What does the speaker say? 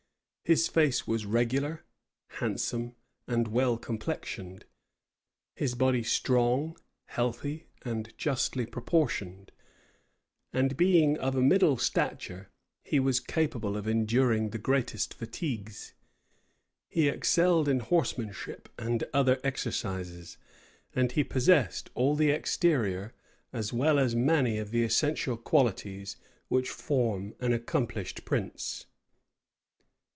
His face was regular, handsome, and well complexioned; his body strong, healthy, and justly proportioned; and being of a middle stature, he was capable of enduring the greatest fatigues. He excelled in horsemanship and other exercises; and he possessed all the exterior, as well as many of the essential qualities which form an accomplished prince.